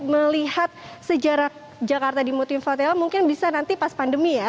melihat sejarah jakarta di mutin hotel mungkin bisa nanti pas pandemi ya